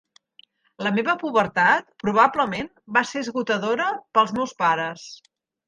La meva pubertat probablement va ser esgotadora per als meus pares.